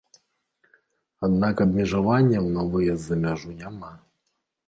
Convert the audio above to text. Аднак абмежаванняў на выезд за мяжу няма.